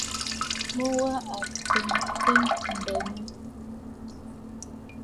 Mu wa a tsɛ̂tə̀ m̀benə.